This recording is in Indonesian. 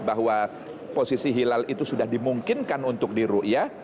bahwa posisi hilal itu sudah dimungkinkan untuk di ruiah